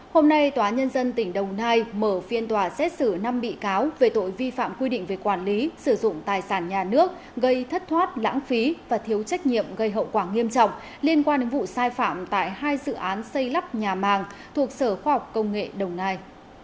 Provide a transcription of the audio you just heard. hôm nay tòa nhân dân tỉnh đồng nai mở phiên tòa xét xử năm bị cáo về tội vi phạm quy định về quản lý sử dụng tài sản nhà nước gây thất thoát lãng phí và thiếu trách nhiệm gây hậu quả nghiêm trọng liên quan đến vụ sai phạm tại hai dự án xây lắp nhà màng thuộc sở khoa học công nghệ đồng nai